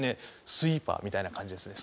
「スイーパー」みたいな感じですね。